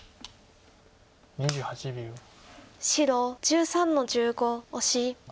白１３の十五オシ。